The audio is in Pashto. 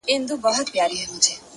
دا چي له کتاب سره ياري کوي;